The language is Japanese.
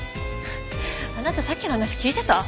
あなたさっきの話聞いてた？